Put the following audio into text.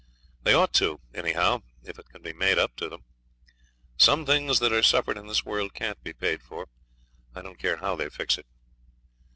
They ought to, anyhow, if it can be made up to 'em. Some things that are suffered in this world can't be paid for, I don't care how they fix it.